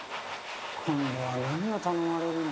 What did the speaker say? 今度は何を頼まれるんだ。